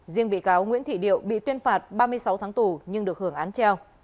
riêng bị cáo nguyễn thị điệu bị tuyên phạt ba mươi sáu tháng tù nhưng được hưởng án treo